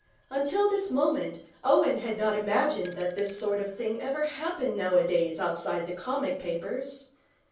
Until this moment Owen had not imagined that this sort of thing ever happened nowadays outside the comic papers.